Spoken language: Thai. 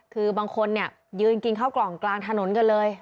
คือบางคนเนี่ยยืนกินข้าวกล่องกลางถนนกันเลย